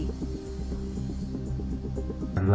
kepala satuan lalu lintas polres tabandung mengatakan